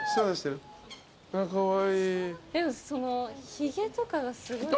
ひげとかがすごい。